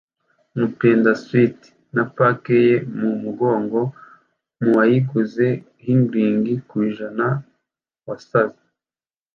Mu peddler sweats na pack ye ku mugongo, (mu uwayiguze higgling ku ijana wasaze;)